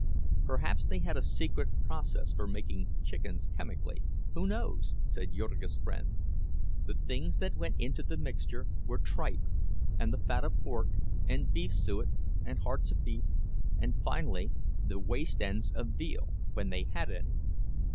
Perhaps they had a secret process for making chickens chemically—who knows? said Jurgis' friend; the things that went into the mixture were tripe, and the fat of pork, and beef suet, and hearts of beef, and finally the waste ends of veal, when they had any.